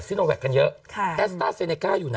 กล้องกว้างอย่างเดียว